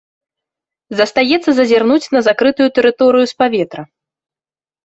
Застаецца зазірнуць на закрытую тэрыторыю з паветра.